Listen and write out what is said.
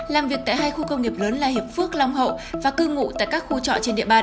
làm việc tại hai khu công nghiệp lớn là hiệp phước long hậu và cư ngụ tại các khu trọ trên địa bàn